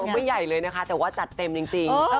ไม่ใหญ่เลยนะคะแต่ว่าจัดเต็มจริง